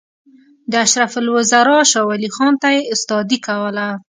د اشرف الوزرا شاولي خان ته یې استادي کوله.